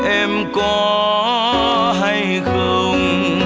em có hay không